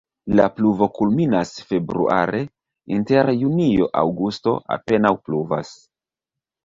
La pluvo kulminas februare, inter junio-aŭgusto apenaŭ pluvas.